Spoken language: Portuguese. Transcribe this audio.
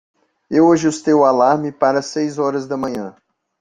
Eu ajustei o alarme para as seis horas da manhã.